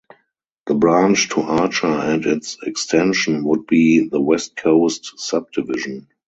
The branch to Archer and its extension would be the West Coast Subdivision.